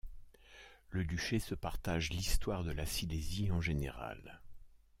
Le duché se partage l'histoire de la Silésie en général.